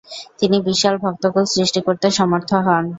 তিনি বিশাল ভক্তকূল সৃষ্টি করতে সমর্থ হন।